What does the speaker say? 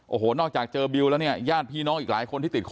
โอ้โหวจะเจอบิวแล้วเนี่ย